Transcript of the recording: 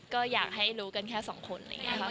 ก็อยากให้รู้กันแค่สองคน